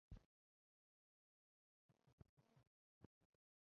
一说出自己姓。